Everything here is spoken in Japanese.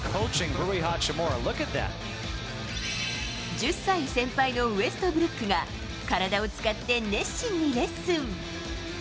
１０歳先輩のウェストブルックが体を使って熱心にレッスン。